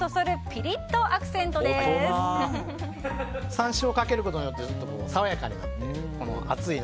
山椒をかけることによって爽やかに。